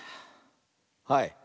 はい。